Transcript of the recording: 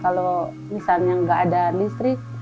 kalau misalnya nggak ada listrik